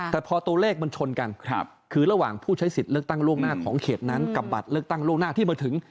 แต่พอตัวเลขมันชนกันคือระหว่างผู้ใช้สิทธิ์เลือกตั้งล่วงหน้าของเขตนั้นกับบัตรเลือกตั้งล่วงหน้าที่มาถึง